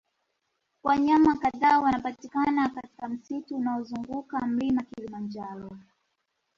Wanyama kadhaa wanapatikana katika msitu unaozunguka mlima kilimanjaro